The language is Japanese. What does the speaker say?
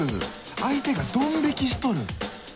相手がドン引きしとる！